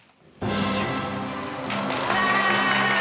うわ！